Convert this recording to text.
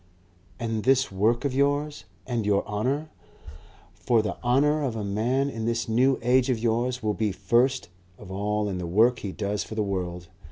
"And this work of yours? And your honour? For the honour of a man in this New Age of yours will be first of all in the work he does for the world.